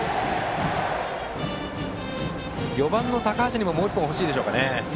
４番の高橋にももう１本欲しいでしょうかね。